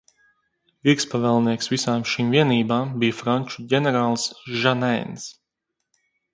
Virspavēlnieks visām šīm vienībām bija franču ģenerālis Žanēns.